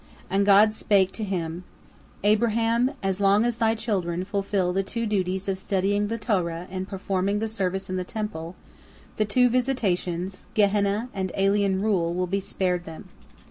And God spake to him: "Abraham, as long as thy children fulfil the two duties of studying the Torah and performing the service in the Temple, the two visitations, Gehenna and alien rule, will be spared them.